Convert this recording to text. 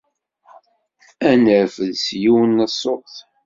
Ad nerfed s yiwen n ṣṣut.